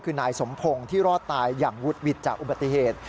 คือนายสมพงศ์ที่รอดตายอย่างวุดหวิดจากอุบัติเหตุ